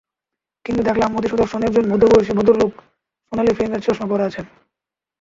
কিন্তু দেখলাম অতি সুদর্শন একজন মধ্যবয়সী ভদ্রলোক, সোনালি ফ্রেমের চশমা পরে আছেন।